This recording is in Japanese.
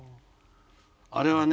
あれはね